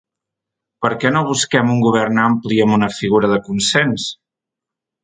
Per què no busquem un govern ampli i amb una figura de consens?